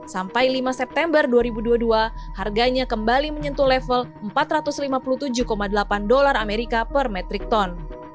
sampai lima september dua ribu dua puluh dua harganya kembali menyentuh level empat ratus lima puluh tujuh delapan dolar amerika per metrik ton